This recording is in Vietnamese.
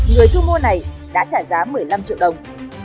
người thu mua này đã trả giá một mươi năm triệu đồng